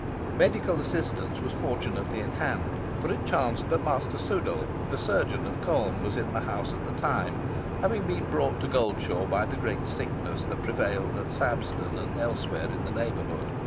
Medical assistance was fortunately at hand; for it chanced that Master Sudall, the chirurgeon of Colne, was in the house at the time, having been brought to Goldshaw by the great sickness that prevailed at Sabden and elsewhere in the neighbourhood.